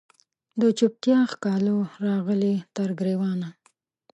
د چوپتیا ښکالو راغلې تر ګریوانه